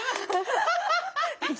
アハハハハ。